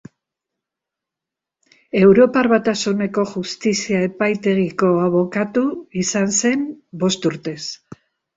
Europar Batasuneko Justizia Epaitegiko abokatu izan zen bost urtez.